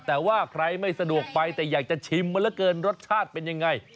แต่ว่าใครไม่สะดวกไปแต่อยากจะชิมมาเหลือเกินรสชาติเป็นยังไง